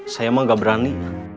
saya mah gak berani